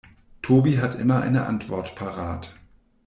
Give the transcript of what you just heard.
Tobi hat immer eine Antwort parat.